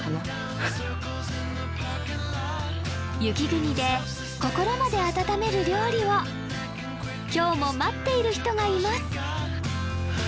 雪国で心まで温める料理を今日も待っている人がいます